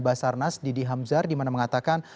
basarnas didi hamzar dimana mengatakan